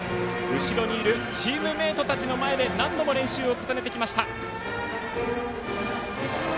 後ろにいるチームメートたちの前で何度も練習を重ねてきました。